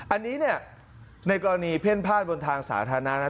อันนี้ในกรณีเพ่นผ้านบนทางสาธารณะนะ